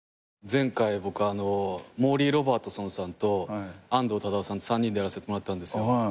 前回僕モーリー・ロバートソンさんと安藤忠雄さんと３人でやらせてもらったんですよ。